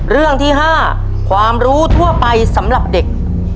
เรื่องที่๕ความรู้ทั่วไปสำหรับเด็ก